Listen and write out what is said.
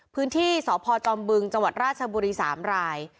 พื้นที่สพจอมบึงจราชบุรี๓ราย